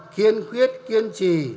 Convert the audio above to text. kiên quyết kiên trì